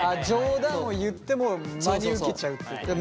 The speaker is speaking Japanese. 冗談を言っても真に受けちゃうってことね。